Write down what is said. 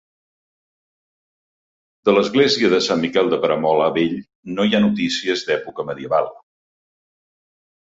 De l'església de Sant Miquel de Peramola Vell no hi ha notícies d'època medieval.